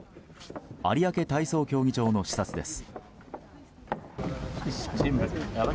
有明体操競技場の視察です。